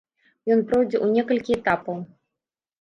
Ён пройдзе ў некалькі этапаў.